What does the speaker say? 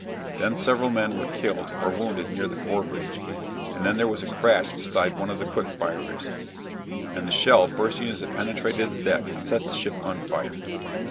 Then several men were killed and wounded near the fore bridge, and then there was a crash beside one of the quick firers, and, the shell bursting as it penetrated the deck, set the ship on fire.